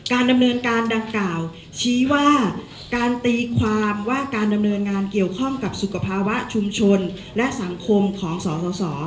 ดำเนินการดังกล่าวชี้ว่าการตีความว่าการดำเนินงานเกี่ยวข้องกับสุขภาวะชุมชนและสังคมของสส